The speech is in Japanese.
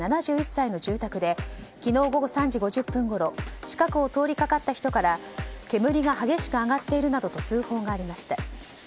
７１歳の住宅で昨日午後３時５０分ごろ近くを通りがかった人から煙が激しく上がっているなどと通報がありました。